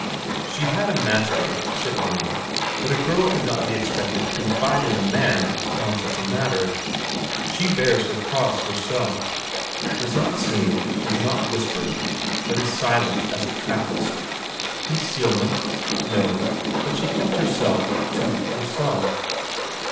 She had a master, certainly, but a girl could not be expected to confide in a man upon such a matter; she bears her cross herself; does not sing, does not whisper, but is silent as a Trappist. Concealment? No, but she kept herself to herself.